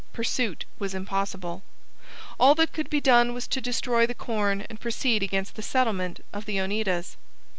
Pursuit was impossible. All that could be done was to destroy the corn and proceed against the settlement of the Oneidas.